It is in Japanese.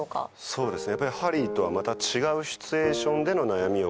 そうですね